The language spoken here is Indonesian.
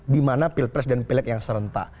di mana pilpres dan pilek yang serentak